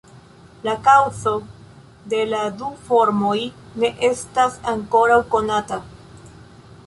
La kaŭzo de la du formoj ne estas ankoraŭ konata.